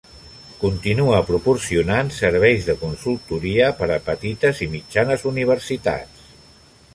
Continua proporcionant serveis de consultoria per a petites i mitjanes universitats.